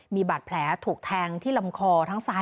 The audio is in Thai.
มีบาดแผลถูกแทงที่ลำคอทั้งซ้าย